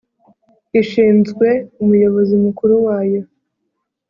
ishinzwe umuyobozi mukuru wayo